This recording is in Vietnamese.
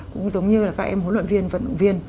cũng giống như là các em huấn luyện viên vận động viên